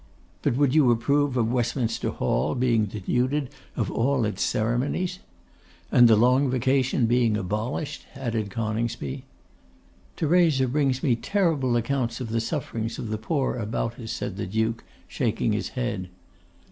But would you approve of Westminster Hall being denuded of all its ceremonies?' 'And the long vacation being abolished?' added Coningsby. 'Theresa brings me terrible accounts of the sufferings of the poor about us,' said the Duke, shaking his head.